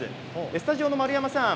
スタジオの丸山さん